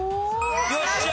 よっしゃ！